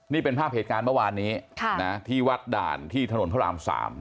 นี่เป็นภาพเหตุการณ์เมื่อวานนี้ที่วัดด่านที่ถนนพระราม๓